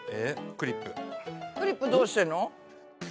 クリップどうしてるの？